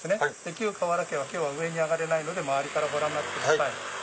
旧河原家は今日は上がれないので周りからご覧になってください。